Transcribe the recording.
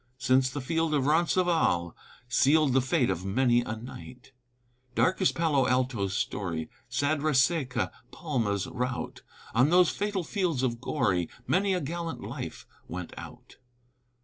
Since the field of Roncesvalles Sealed the fate of many a knight. Dark is Palo Alto's story, Sad Reseca Palma's rout, On those fatal fields so gory, Many a gallant life went out.